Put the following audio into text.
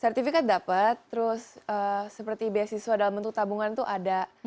sertifikat dapat terus seperti beasiswa dalam bentuk tabungan itu ada